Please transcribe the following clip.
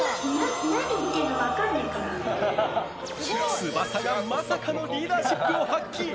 つばさがまさかのリーダーシップを発揮！